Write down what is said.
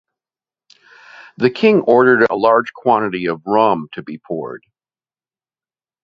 The king ordered a large quantity of rum to be poured.